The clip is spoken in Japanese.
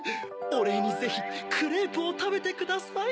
おれいにぜひクレープをたべてください。